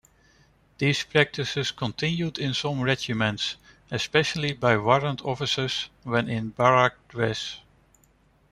This practice continues in some regiments, especially by Warrant Officers when in Barrack Dress.